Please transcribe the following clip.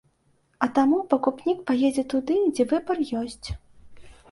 А таму пакупнік паедзе туды, дзе выбар ёсць.